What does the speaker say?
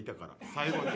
最後に。